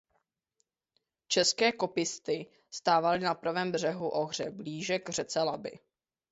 České Kopisty stávaly na pravém břehu Ohře blíže k řece Labi.